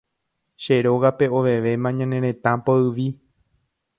Che rógape ovevéma ñane retã poyvi